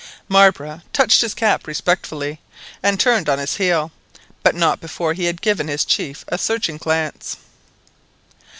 Marbre touched his cap respectfully, and turned on his heel, but not before he had given his chief a searching glance.